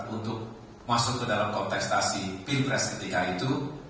untuk masuk ke dalam kontestasi pilpres ketika itu